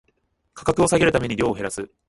価格を下げるために量を減らす